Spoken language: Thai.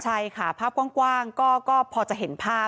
ใช่ค่ะภาพกว้างก็พอจะเห็นภาพ